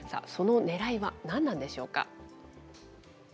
そのねらいは何なんでしょうか。